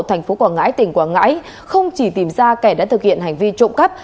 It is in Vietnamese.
thành phố quảng ngãi tỉnh quảng ngãi không chỉ tìm ra kẻ đã thực hiện hành vi trộm cắp